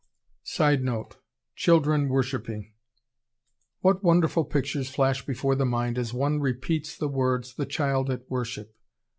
[Sidenote: Children worshiping.] What wonderful pictures flash before the mind as one repeats the words, "The Child at Worship"!